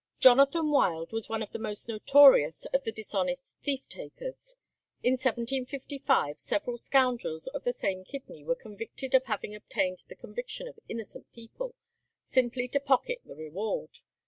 Jonathan Wild was one of the most notorious of the dishonest thief takers. In 1755 several scoundrels of the same kidney were convicted of having obtained the conviction of innocent people, simply to pocket the reward.